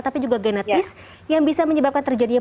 tapi juga genetis yang bisa menyebabkan terjadinya